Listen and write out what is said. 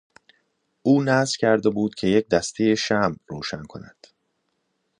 او نذر کرده بود که یک دستهٔ شمع روشن کند.